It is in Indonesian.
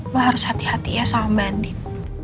lu harus hati hatinya sama mbak andin